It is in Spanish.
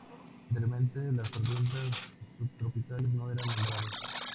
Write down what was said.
Anteriormente, las tormentas subtropicales no eran nombradas.